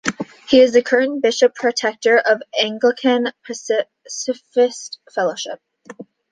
He is the current Bishop Protector of the Anglican Pacifist Fellowship.